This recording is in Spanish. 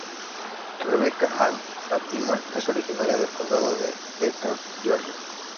Rebecca Ann Latimer es originaria del condado de Dekalb, Georgia.